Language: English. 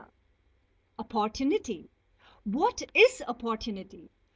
_ OPPORTUNITY What is opportunity?